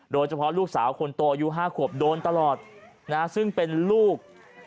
โดยเฉพาะลูกสาวคนโตอายุ๕ขวบโดนตลอดซึ่งเป็นลูก